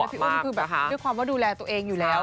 พี่อุ้มคือแบบด้วยความว่าดูแลตัวเองอยู่แล้ว